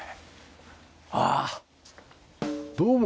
ああどうも。